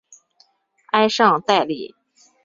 埃尚代利。